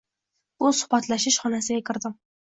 Bu suhbatlashish xonasiga kirdim.